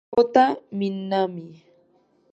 Kota Minami